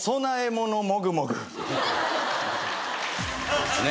そうですね